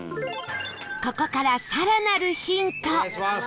ここから、更なるヒント